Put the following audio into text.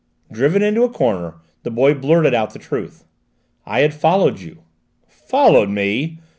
Driven into a corner, the boy blurted out the truth: "I had followed you." "Followed me?"